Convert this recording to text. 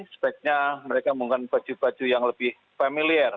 sebaiknya mereka menggunakan baju baju yang lebih familiar